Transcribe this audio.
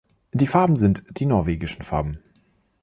Die Farben sind die norwegischen Farben.